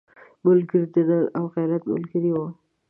ملګری د ننګ او غیرت ملګری وي